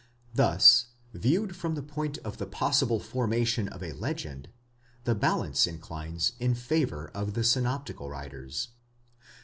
Thus, viewed from the point of the possible formation of a legend, the balance inclines in favour of the synoptical writers.